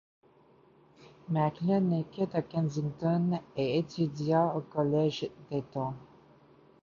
Macklin naquit à Kensington, et étudia au Collège d'Eton.